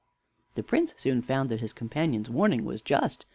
The Prince soon found that his companion's warning was just.